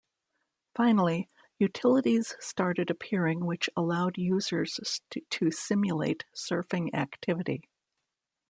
Finally, utilities started appearing which allowed users to simulate surfing activity.